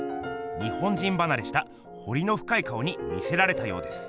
日本人ばなれしたほりのふかい顔に魅せられたようです。